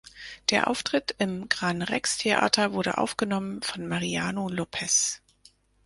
Der Auftritt im Gran Rex Theater wurde aufgenommen von Mariano Lopez.